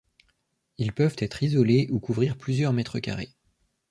Ils peuvent être isolés ou couvrir plusieurs mètres carrés.